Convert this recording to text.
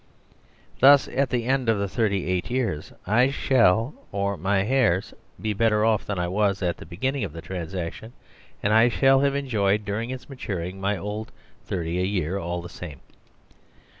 Thus, at the end of the thirty eight years I shall (or my heirs) be better off than I was at the beginning of the transaction, and I shall have enjoyed during its maturing my old ^30 a year all the same.